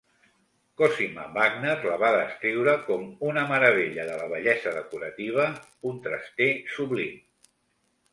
Cosima Wagner la va descriure com una "meravella de la bellesa decorativa, un traster sublim".